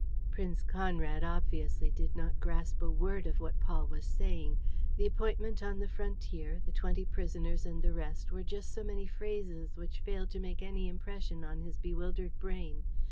Prince Conrad obviously did not grasp a word of what Paul was saying. The appointment on the frontier, the twenty prisoners and the rest were just so many phrases which failed to make any impression on his bewildered brain.